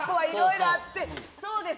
そうです